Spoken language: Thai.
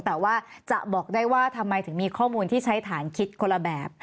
แต่ว่าจะบอกได้ว่าทำไมถึงมีข้อมูลที่ใช้ฐานคิดคนละแบบ